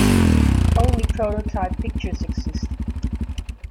Only prototype pictures exist.